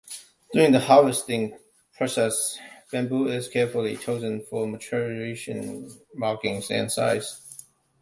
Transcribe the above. During the harvesting process, bamboo is carefully chosen for maturation, markings, and size.